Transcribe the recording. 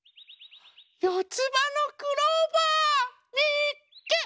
よつばのクローバー！みっけ！